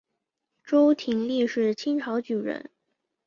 周廷励是清朝举人。